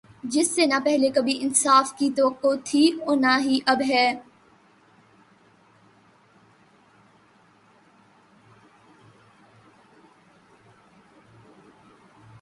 جس سے نا پہلے کبھی انصاف کی توقع تھی اور نا ہی اب ہے